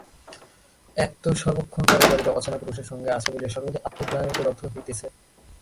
এক তো সর্বক্ষণ পরের বাড়িতে অচেনা পুরুষের সঙ্গে আছে বলিয়া সর্বদাই আত্মগ্লানিতে দগ্ধ হইতেছে।